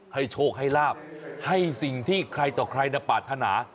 โชคให้ลาบให้สิ่งที่ใครต่อใครปรารถนา